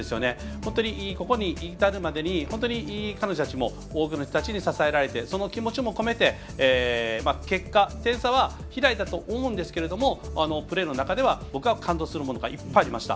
本当にここに至るまでに彼女たちも多くの人たちに支えられてその気持ちも込めて結果、点差は開いたと思うんですけどプレーの中では僕は感動するものがいっぱいありました。